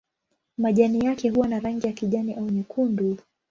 Majani yake huwa na rangi ya kijani au nyekundu.